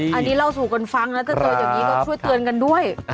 อันนี้เล่าสู่กันฟังแล้วถ้าเจออย่างนี้ก็ช่วยเตือนกันด้วย